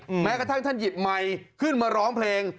แม้กระทั่งท่านหยิบไมค์ขึ้นมาร้องเพลง